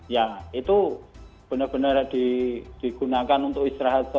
ya itu benar benar digunakan untuk istirahat saja